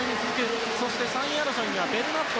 そして３位争いにはベルナット。